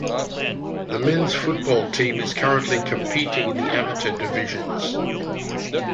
The men's football team is currently competing in the amateur divisions.